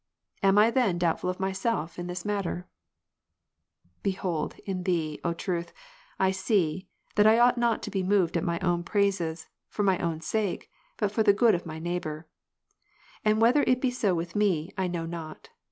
Am I then doubt ful of myself in this matter ? 62. Behold, in Thee, O Truth, I see, that I ought not to be moved at my own praises, for my own sake, but for the good of my neighbour °. And whether it be so with me, I know not.